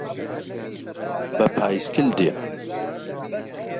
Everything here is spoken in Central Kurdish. بە پایسکل دێم.